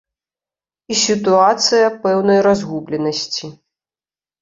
І сітуацыя пэўнай разгубленасці.